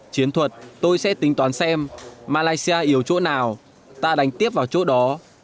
chiến thuật tôi sẽ tính toán xem malaysia yếu chỗ nào ta đánh tiếp vào chỗ đó